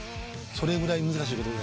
それぐらい難しいことで。